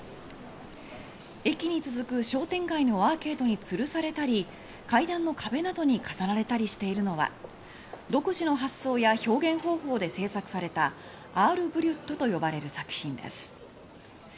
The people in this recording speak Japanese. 駅に続く商店街のアーケードにつるされたり階段の壁などに飾られたりしているのは独自の発想や表現方法で制作されたアール・ブリュットと呼ばれる作品です。